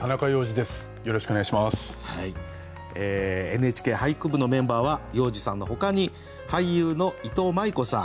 「ＮＨＫ俳句部」のメンバーは要次さんのほかに俳優のいとうまい子さん